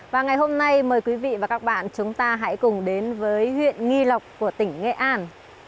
xin chào quý vị và các bạn chúng ta hãy cùng đến với huyện nghi lộc của tỉnh nghệ an